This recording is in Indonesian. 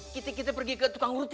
kita kita pergi ke tukang urut ya